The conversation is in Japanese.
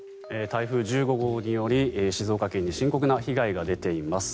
台風１５号により静岡県に深刻な被害が出ています。